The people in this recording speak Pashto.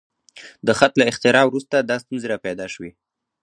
د خط له اختراع وروسته دا ستونزې راپیدا شوې.